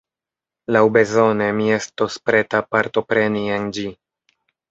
Laŭbezone mi estos preta partopreni en ĝi.